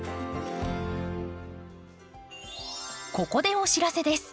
ここでお知らせです。